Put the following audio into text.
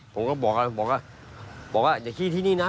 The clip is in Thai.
ผมก็บอกว่าบอกว่าอย่าขี้ที่นี่นะ